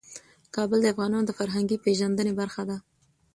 کابل د افغانانو د فرهنګي پیژندنې برخه ده.